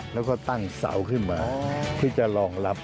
แล้วก็ตั้งเสาขึ้นมาที่จะรองรับ